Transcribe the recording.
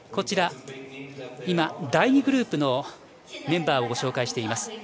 第２グループのメンバーをご紹介しています。